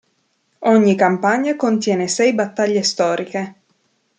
Ogni campagna contiene sei battaglie storiche.